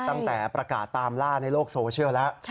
ตั้งแต่ประกาศตามล่าในโลกโซเชียลแล้ว